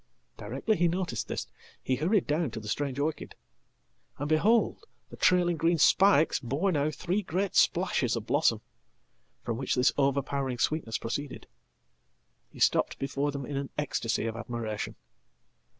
Directly he noticed this he hurried down to the strange orchid. And, behold! the trailing green spikes bore now three great splashes ofblossom, from which this overpowering sweetness proceeded. He stoppedbefore them in an ecstasy of admiration.